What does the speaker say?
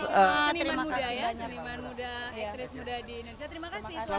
seniman muda ya seniman muda aktris muda di indonesia terima kasih